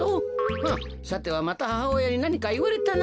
ふんさてはまたははおやになにかいわれたな？